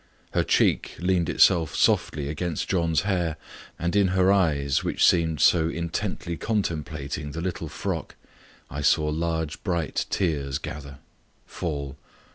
Her cheek leaned itself softly against John's hair, and in her eyes, which seemed so intently contemplating the little frock, I saw large bright tears gather fall.